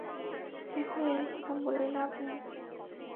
এখন এই কথা বলে লাভ নেই।